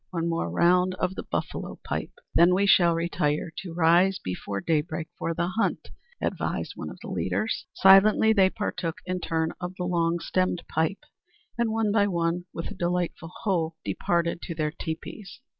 one more round of the buffalo pipe, then we shall retire, to rise before daybreak for the hunt," advised one of the leaders. Silently they partook in turn of the long stemmed pipe, and one by one, with a dignified "Ho!" departed to their teepees.